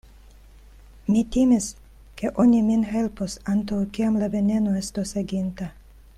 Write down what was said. Mi timis, ke oni min helpos, antaŭ kiam la veneno estos aginta.